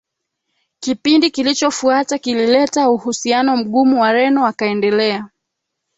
Kipindi kilichofuata kilileta uhusiano mgumu Wareno wakaendelea